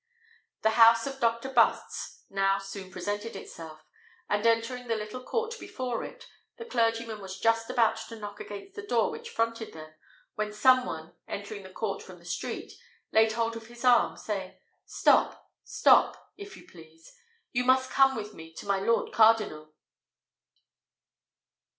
The house of Dr. Butts now soon presented itself; and entering the little court before it, the clergyman was just about to knock against a door which fronted them, when some one, entering the court from the street, laid hold of his arm, saying, "Stop, stop, if you please! you must come with me to my lord cardinal."